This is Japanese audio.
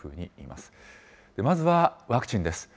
まずはワクチンです。